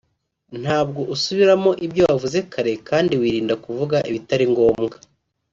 ntabwo usubiramo ibyo wavuze kare kandi wirinda kuvuga ibitari ngombwa